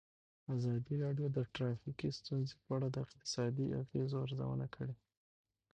ازادي راډیو د ټرافیکي ستونزې په اړه د اقتصادي اغېزو ارزونه کړې.